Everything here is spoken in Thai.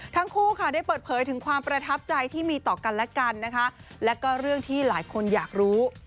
ทั้งคู่ค่ะได้เปิดเผยถึงความประทับใจที่มีต่อกันและกันนะคะแล้วก็เรื่องที่หลายคนอยากรู้